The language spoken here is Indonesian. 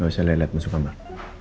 gak usah liat masuk kamar